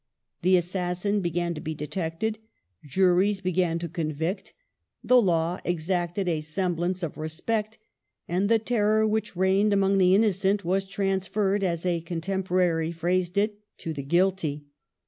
The assassin began to be detected ; juries began to con vict ; the law exacted a semblance of respect, and " the teiTor which reigned among the innocent was transferred (as a contemporary phi ased it) to the guilty".